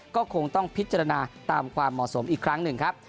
ก็คงต้องพิจารณาตามความเหมาะสมอีกครั้งหนึ่งครับ